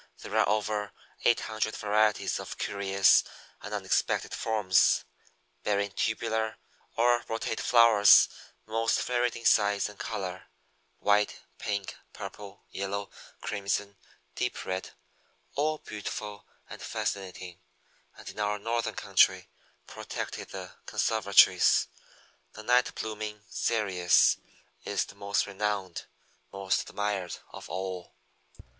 There are over eight hundred varieties of curious and unexpected forms, bearing tubular or rotate flowers most varied in size and color white, pink, purple, yellow, crimson, deep red all beautiful and fascinating, and in our Northern country, protected in the conservatories. The Night blooming Cereus is most renowned, most admired of all.